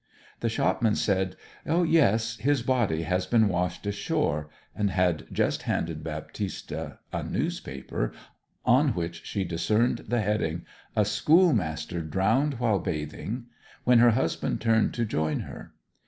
The shopman said, 'Yes, his body has been washed ashore,' and had just handed Baptista a newspaper on which she discerned the heading, 'A Schoolmaster drowned while bathing,' when her husband turned to join her.